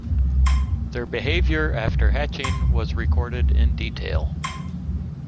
Their behaviour after hatching was recorded in detail.